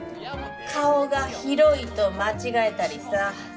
「顔が広い」と間違えたりさ